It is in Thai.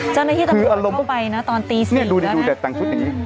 เจ้าหน้าที่ตำรวจเข้าไปนะตอนตี๔แล้วนะฮะอืมคืออารมณ์นี่ดูดิดูแต่ตั้งชุดนี้